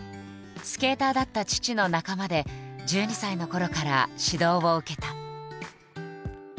スケーターだった父の仲間で１２歳のころから指導を受けた。